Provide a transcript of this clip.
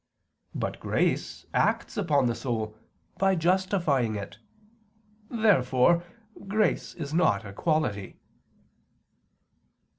But grace acts upon the soul, by justifying it. Therefore grace is not a quality.